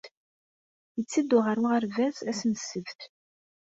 Yetteddu ɣer uɣerbaz ass n ssebt.